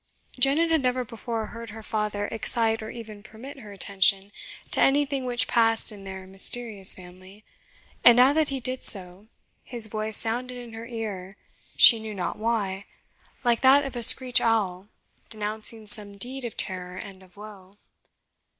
Janet had never before heard her father excite or even permit her attention to anything which passed in their mysterious family; and now that he did so, his voice sounded in her ear she knew not why like that of a screech owl denouncing some deed of terror and of woe.